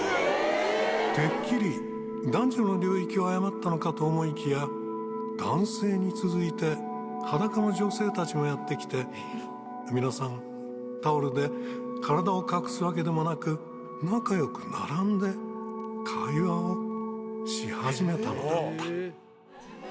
てっきり男女の領域を誤ったのかと思いきや、男性に続いて裸の女性たちもやって来て、皆さん、タオルで体を隠すわけでもなく、仲よく並んで会話をし始めたのだった。